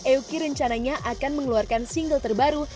eoki rencananya akan mengeluarkan single terbaru